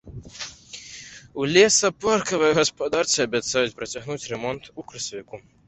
У лесапаркавай гаспадарцы абяцаюць працягнуць рамонт у красавіку.